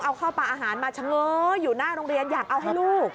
เอาข้าวปลาอาหารมาเฉง้ออยู่หน้าโรงเรียนอยากเอาให้ลูก